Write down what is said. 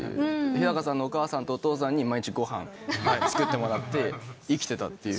日高さんのお母さんとお父さんに毎日ご飯作ってもらって生きてたっていう。